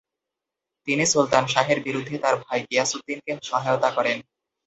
তিনি সুলতান শাহের বিরুদ্ধে তার ভাই গিয়াসউদ্দিনকে সহায়তা করেন।